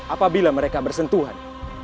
apabila mereka bersentuhan